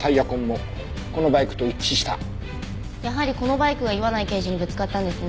やはりこのバイクが岩内刑事にぶつかったんですね。